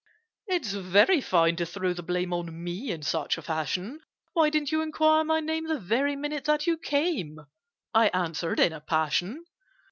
"It's very fine to throw the blame On me in such a fashion! Why didn't you enquire my name The very minute that you came?" I answered in a passion.